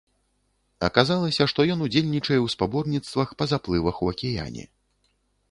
Аказалася, што ён удзельнічае ў спаборніцтвах па заплывах у акіяне.